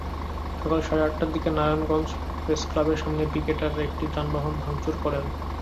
সকাল সাড়ে আটটার দিকে নারায়ণগঞ্জ প্রেসক্লাবের সামনে পিকেটাররা একটি যানবাহন ভাঙচুর করেন।